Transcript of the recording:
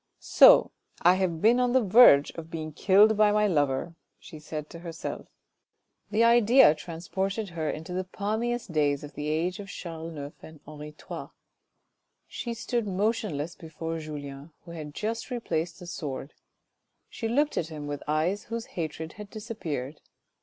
" So I have been on the verge of being killed by my lover," she said to herself. This idea transported her into the palmiest days of the age of Charles IX. and of Henri III. She stood motionless before Julien, who had just replaced the sword ; she looked at him with eyes whose hatred had disappeared.